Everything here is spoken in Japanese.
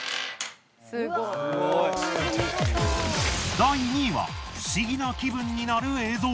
第２位は不思議な気分になる映像。